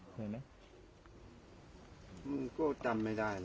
ก็จำไม่ได้แล้วน่ะ